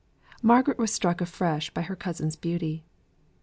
Margaret was struck afresh by her cousin's beauty.